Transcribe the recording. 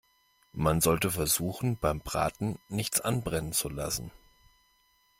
Man sollte versuchen, beim Braten nichts anbrennen zu lassen.